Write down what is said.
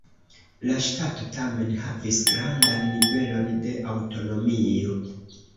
La ŝtato tamen havis grandan nivelon de aŭtonomio.